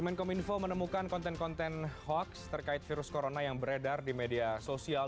menkom info menemukan konten konten hoax terkait virus corona yang beredar di media sosial